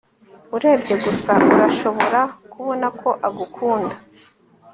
Urebye gusa urashobora kubona ko agukunda